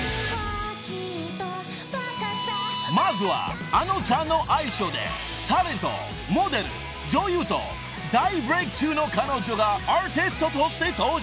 ［まずは「あのちゃん」の愛称でタレントモデル女優と大ブレーク中の彼女がアーティストとして登場］